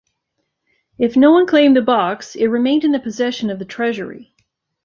If no one claimed the box, it remained in the possession of the Treasury.